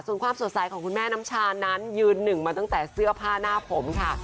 ส่วนความสดใสของคุณแม่น้ำชานั้นยืนหนึ่งมาตั้งแต่เสื้อผ้าหน้าผมค่ะ